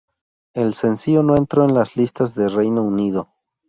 El sencillo no entró en las listas de Reino Unido.